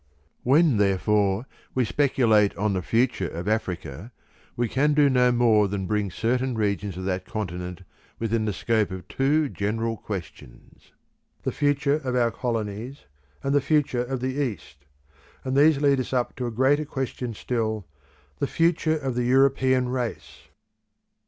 When, therefore, we speculate on the future of Africa, we can do no more than bring certain regions of that continent within the scope of two general questions; the future of our colonies, and the future of the East; and these lead us up to a greater question still, the future of the European race.